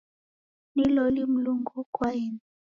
Ni loli Mlungu okwaeni.